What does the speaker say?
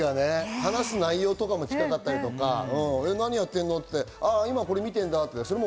話す内容とかも近かったり、何やってんの？って言って、今これ見てるんだっていうのが。